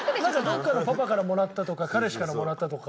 どっかのパパからもらったとか彼氏からもらったとか。